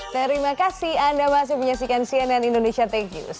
terima kasih anda masih menyaksikan cnn indonesia tech news